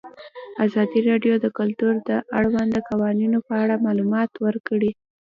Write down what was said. ازادي راډیو د کلتور د اړونده قوانینو په اړه معلومات ورکړي.